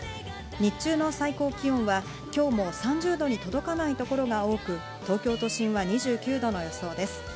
日中の最高気温は今日も３０度に届かないところが多く、東京都心は２９度の予想です。